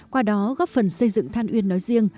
qua đó góp phần xây dựng than uyên nói riêng